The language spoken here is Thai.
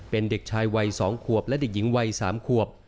เป็นเด็กชายวัย๒ขวบและเด็กหญิงวัย๓ขวบ